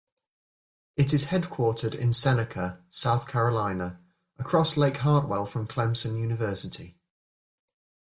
It is headquartered in Seneca, South Carolina, across Lake Hartwell from Clemson University.